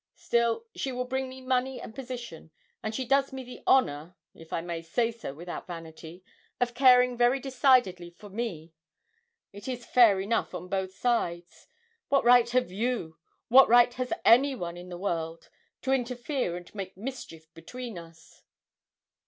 Still, she will bring me money and position, and she does me the honour (if I may say so without vanity) of caring very decidedly for me it is fair enough on both sides. What right have you, what right has any one in the world, to interfere and make mischief between us?'